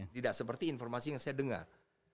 tidak seperti informasi yang saya dengar